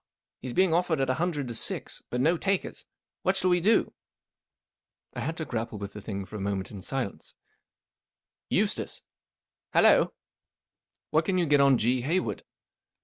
He is being offered at a hun¬ dred t O six* but no takers. What shall we do ? I had to grapple with the thing for a moment in silence* ,r Eustace*" II Hallo ?"" What can you get on G. Hayward